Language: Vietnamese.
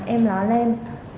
em lọa lên